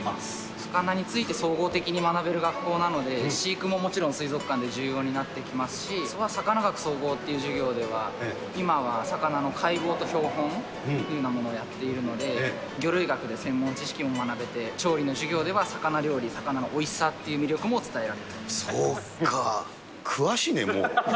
魚について総合的に学べる学校なので、飼育ももちろん水族館で重要になってきますし、魚学総合という授業では、今は魚の解剖と標本というようなものをやっているので、魚類学で専門知識を学べて、調理の授業では、魚料理、魚のおそうか、詳しいね、もう。